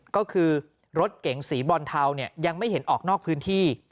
ก็คือรถเก๋งสีบรอนเทายังไม่เห็นออกนอกพื้นที่